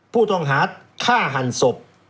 ผู้ต้องหาฆ่าหันศพ